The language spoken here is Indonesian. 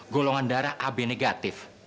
golongan darah ab negatif